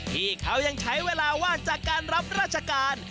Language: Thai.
ที่เขายังใช้เวลาว่างจากการรับราชการ